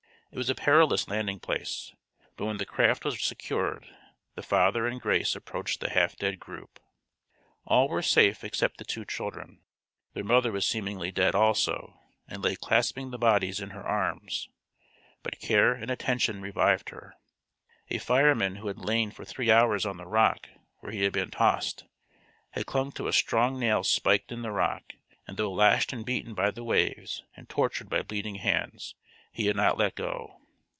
It was a perilous landing place. But when the craft was secured the father and Grace approached the half dead group. All were safe except the two children. Their mother was seemingly dead, also, and lay clasping the bodies in her arms. But care and attention revived her. A fireman who had lain for three hours on the rock where he had been tossed, had clung to a strong nail spiked in the rock, and though lashed and beaten by the waves, and tortured by bleeding hands, he had not let go.